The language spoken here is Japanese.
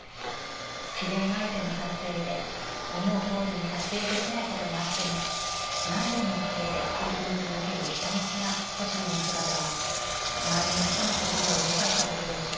自然相手の撮影で思うとおりに撮影できないことがあっても何年もかけて取り組み続けるひたむきな星野の姿は周りの人の心を動かしたことでしょう。